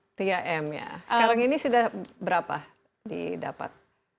tiga m ya sekarang ini sudah berapa didapat